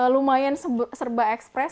lumayan serba ekspres